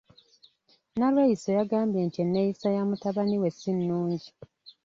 Nalweyiso yagambye nti enneeyisa ya mutabani we si nnungi.